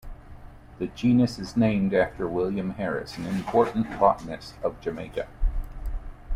The genus is named after William Harris, an important botanist of Jamaica.